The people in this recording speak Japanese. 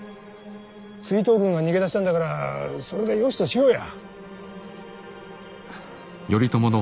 追討軍は逃げ出したんだからそれでよしとしようや。